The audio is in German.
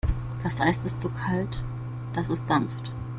Das Eis ist so kalt, dass es dampft.